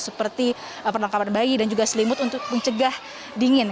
seperti perlengkapan bayi dan juga selimut untuk mencegah dingin